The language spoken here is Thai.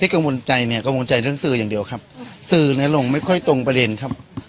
กังวลใจเนี่ยกังวลใจเรื่องสื่ออย่างเดียวครับสื่อเนี่ยลงไม่ค่อยตรงประเด็นครับ